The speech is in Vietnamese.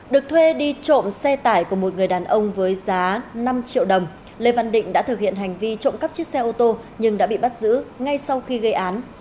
được thuê đi trộm xe tải của một người đàn ông với giá năm triệu đồng lê văn định đã thực hiện hành vi trộm cắp chiếc xe ô tô nhưng đã bị bắt giữ ngay sau khi gây án